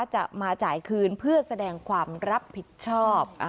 จะมาจ่ายคืนเพื่อแสดงความรับผิดชอบ